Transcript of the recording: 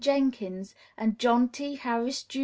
Jenkins, and John T. Harris, Jr.